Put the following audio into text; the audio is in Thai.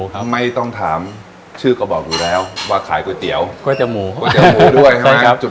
เริ่มต้นออนทัวร้านแรกนะครับกับร้านเส้นหลากสิบครับ